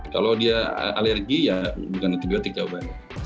kalau dia alergi ya bukan antibiotik jawabannya